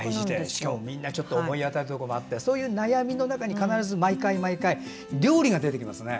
しかも、みんな思い当たるところがあってそこに毎回毎回料理が出てきますね。